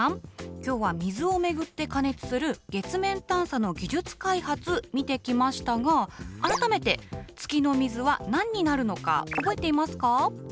今日は水をめぐって過熱する月面探査の技術開発見てきましたが改めて月の水は何になるのか覚えていますか？